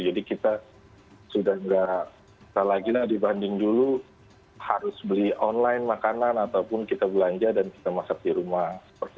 jadi kita sudah nggak salah gila dibanding dulu harus beli online makanan ataupun kita belanja dan kita masak di rumah